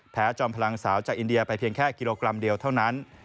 จอมพลังสาวจากอินเดียไปเพียงแค่กิโลกรัมเดียวเท่านั้น